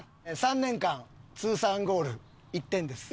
３年間通算ゴール１点です。